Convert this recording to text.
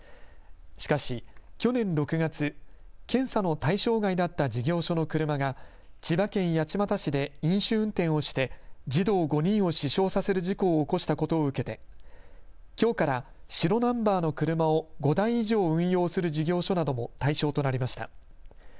しかし去年６月、検査の対象外だった事業所の車が千葉県八街市で飲酒運転をして児童５人を死傷させる事故を起こしたことを受けてきょうから白ナンバーの車を５台以上運用する事業所なども対象となりました。